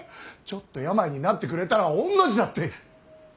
ちょっと病になってくれたら御の字だって。